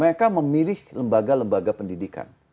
mereka memilih lembaga lembaga pendidikan